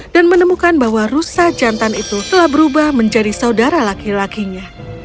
dan menemukan bahwa rusa jantan itu telah berubah menjadi saudara laki lakinya